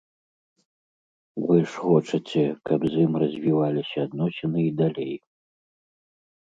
Вы ж хочаце, каб з ім развіваліся адносіны і далей.